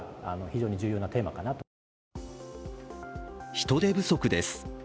人手不足です。